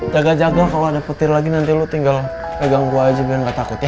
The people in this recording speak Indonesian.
jaga jaga kalau ada petir lagi nanti lu tinggal pegang gua aja biar gak takut ya